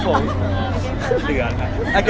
อ๋อน้องมีหลายคน